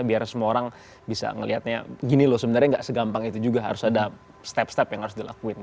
biar semua orang bisa ngeliatnya gini loh sebenarnya gak segampang itu juga harus ada step step yang harus dilakuin